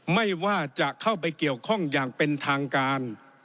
ไม่ว่าจะเข้าไปเกี่ยวข้องอย่างเป็นทางการ